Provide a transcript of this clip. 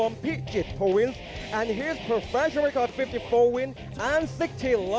มวยไทยฟาร์ตเตอร์